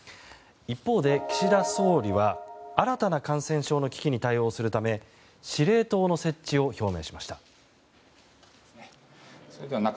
一方で岸田総理は新たな感染症の危機に対応するため司令塔の設置を表明しました。